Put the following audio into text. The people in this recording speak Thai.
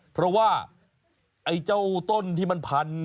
เพราะว่าไอ้เจ้าต้นที่มันพัน